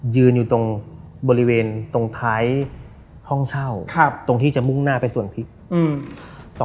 ยืนอยู่ตรงบริเวณตรงท้ายห้องเช่าตรงที่จะมุ่งหน้าไปสวนพริกอืม